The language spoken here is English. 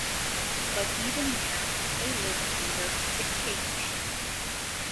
But even there, they lived under dictatorship.